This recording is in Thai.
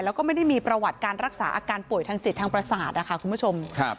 แล้วก็ไม่ได้มีประวัติการรักษาอาการป่วยทางจิตทางประสาทนะคะคุณผู้ชม